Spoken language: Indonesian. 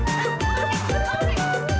gue gak mau kelawan